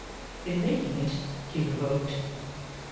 In making it, he revoked.